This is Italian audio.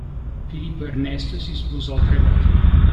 Filippo Ernesto si sposò tre volte.